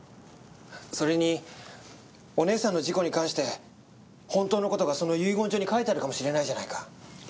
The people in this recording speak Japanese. それにお姉さんの事故に関して本当の事がその遺言状に書いてあるかもしれないじゃないか。